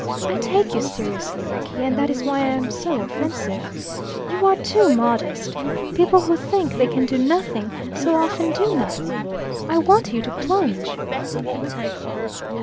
I take you seriously, Rickie, and that is why I am so offensive. You are too modest. People who think they can do nothing so often do nothing. I want you to plunge."